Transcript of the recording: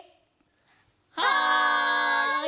はい！